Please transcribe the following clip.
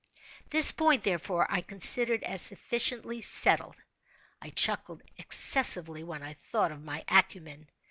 This point, therefore, I considered as sufficiently settled. I chuckled excessively when I thought of my acumen.